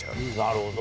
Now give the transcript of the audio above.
なるほど。